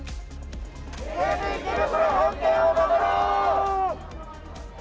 西武池袋本店を守ろう！